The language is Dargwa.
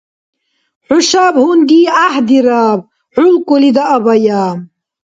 ХӀушаб гьунби гӀяхӀдираб! ХӀулкӀули даабая!